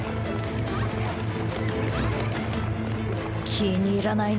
気に入らないね。